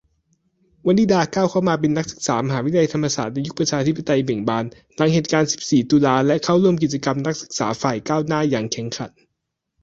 วนิดาก้าวเข้ามาเป็นนักศึกษามหาวิทยาลัยธรรมศาสตร์ในยุคประชาธิปไตยเบ่งบาน หลังเหตุการณ์ สิบสี่ ตุลา และเข้าร่วมกิจกรรม นักศึกษาฝ่ายก้าวหน้าอย่างแข็งขัน